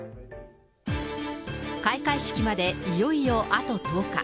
開会式までいよいよあと１０日。